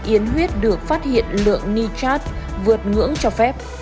yến huyết được phát hiện lượng nichat vượt ngưỡng cho phép